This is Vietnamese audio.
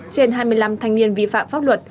trên hai mươi năm thanh niên vi phạm pháp luật